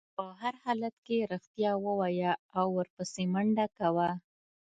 په هر حالت کې رښتیا ووایه او ورپسې منډه کوه.